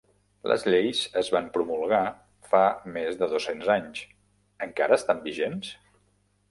Les lleis es van promulgar fa més de dos-cents anys, encara estan vigents?